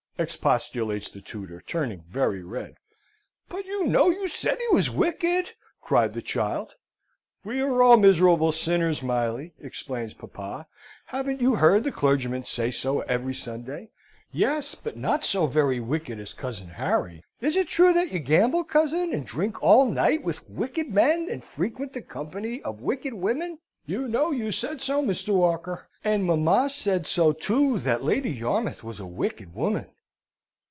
expostulates the tutor, turning very red. "But you know you said he was wicked!" cried the child. "We are all miserable sinners, Miley," explains papa. "Haven't you heard the clergyman say so every Sunday?" "Yes, but not so very wicked as cousin Harry. Is it true that you gamble, cousin, and drink all night with wicked men, and frequent the company of wicked women? You know you said so, Mr. Walker and mamma said so, too, that Lady Yarmouth was a wicked woman."